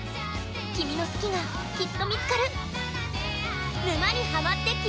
君の好きが、きっと見つかる。